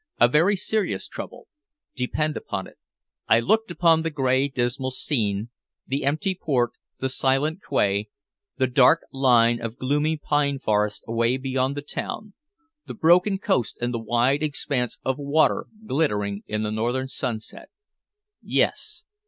"A very serious trouble depend upon it." I looked upon the gray dismal scene, the empty port, the silent quay, the dark line of gloomy pine forest away beyond the town, the broken coast and the wide expanse of water glittering in the northern sunset. Yes.